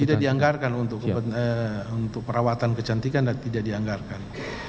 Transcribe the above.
tidak dianggarkan untuk perawatan kecantikan dan tidak dianggarkan